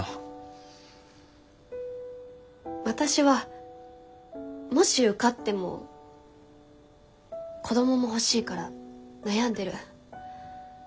私はもし受かっても子どもも欲しいから悩んでる。